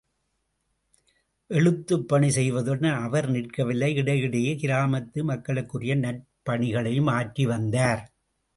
எழுத்துப் பணி செய்வதுடன் அவர் நிற்கவில்லை இடையிடையே கிராமத்து மக்களுக்குரிய நற்பணிகளையும் ஆற்றிவந்தார்.